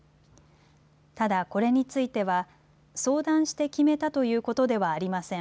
ただ、これについては、相談して決めたということではありません。